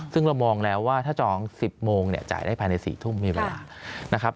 ซึ่งเรามองแล้วว่าถ้าจอง๑๐โมงจ่ายได้ภายใน๔ทุ่มไม่เป็นไร